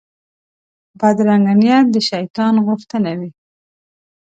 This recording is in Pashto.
بدرنګه نیت د شیطان غوښتنه وي